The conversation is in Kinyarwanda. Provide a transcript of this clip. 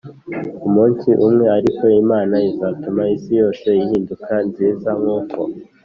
umunsi umwe ariko, imana izatuma isi yose ihinduka nziza nk’uko